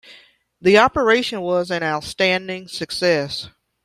The operation was an outstanding success.